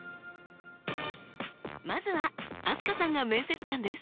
まずは飛鳥さんが面接官です。